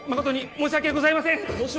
申し訳ございません！